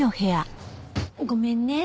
ごめんね。